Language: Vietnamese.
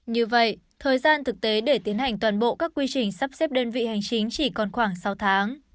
như vậy thời gian thực tế để tiến hành toàn bộ các quy trình sắp xếp đơn vị hành chính chỉ còn khoảng sáu tháng